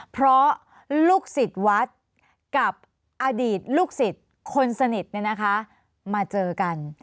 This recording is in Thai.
เพราะลูกศิษย์วัดกับอดีตลูกศิษย์คนสนิทมาเจอกัน